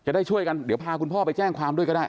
ได้ช่วยกันเดี๋ยวพาคุณพ่อไปแจ้งความด้วยก็ได้